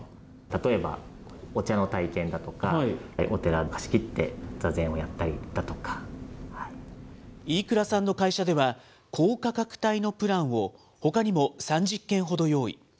例えば、お茶の体験だとか、お寺を貸し切って、飯倉さんの会社では、高価格帯のプランをほかにも３０件ほど用意。